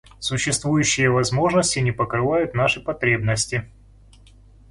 Существующие возможности не покрывают наши потребности.